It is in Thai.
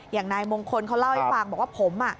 อย่างนายมงคลเขาเล่าให้ฟังบอกว่าผม